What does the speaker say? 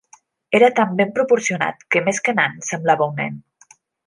Era tan ben proporcionat que més que nan semblava un nen.